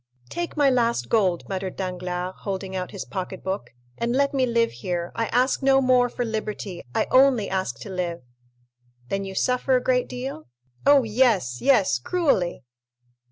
"Take my last gold," muttered Danglars, holding out his pocket book, "and let me live here; I ask no more for liberty—I only ask to live!" "Then you suffer a great deal?" "Oh, yes, yes, cruelly!"